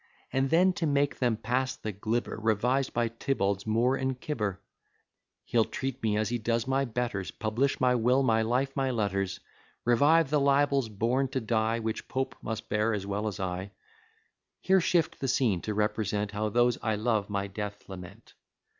And then, to make them pass the glibber, Revised by Tibbalds, Moore, and Cibber. He'll treat me as he does my betters, Publish my will, my life, my letters: Revive the libels born to die; Which Pope must bear, as well as I. Here shift the scene, to represent How those I love my death lament.